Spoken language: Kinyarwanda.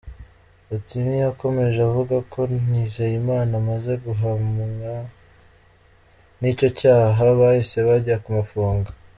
Otim yakomeje avuga ko Nizeyimana amaze guhamwa n’icyo cyaha bahise bajya kumufunga.